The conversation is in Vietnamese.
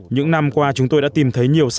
những năm qua chúng tôi đã tìm thấy nhiều gấu trúc